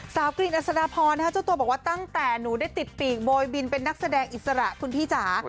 กรีนอัศดาพรเจ้าตัวบอกว่าตั้งแต่หนูได้ติดปีกโบยบินเป็นนักแสดงอิสระคุณพี่จ๋า